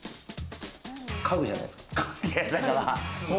家具じゃないですか？